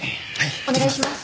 お願いします。